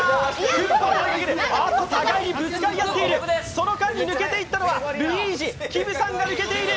あっと、互いにぶつかり合っているその間に抜けていったのはルイージきむさんが抜けている。